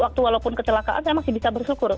waktu walaupun kecelakaan saya masih bisa bersyukur